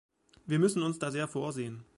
Wir müssen uns da sehr vorsehen.